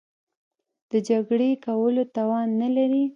د جګړې کولو توان نه لري.